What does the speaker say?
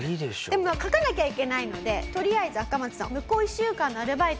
でも書かなきゃいけないのでとりあえずアカマツさん。